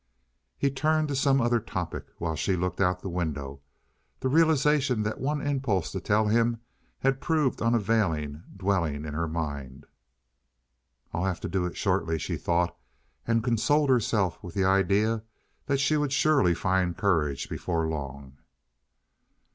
He turned to some other topic, while she looked out of the window, the realization that one impulse to tell him had proved unavailing dwelling in her mind. "I'll have to do it shortly," she thought, and consoled herself with the idea that she would surely find courage before long.